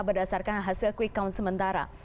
berdasarkan hasil quick count sementara